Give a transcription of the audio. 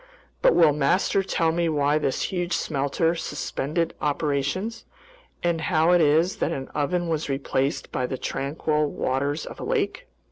"But will master tell me why this huge smelter suspended operations, and how it is that an oven was replaced by the tranquil waters of a lake?"